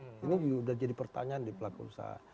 ini sudah jadi pertanyaan di pelaku usaha